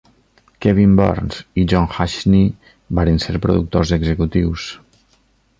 Kevin Burns i Jon Jashni varen ser productors executius.